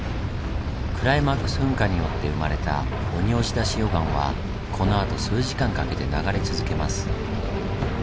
クライマックス噴火によって生まれた鬼押出溶岩はこのあと数時間かけて流れ続けます。